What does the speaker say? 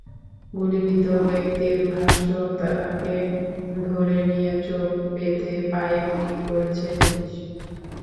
গুলিবিদ্ধ ব্যক্তির ভাষ্য, তাঁকে ধরে নিয়ে চোখ বেঁধে পায়ে গুলি করেছে পুলিশ।